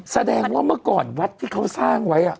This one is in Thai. แสดงว่าเมื่อก่อนวัดที่เขาสร้างไว้